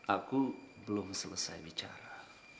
aku belum selesai bicara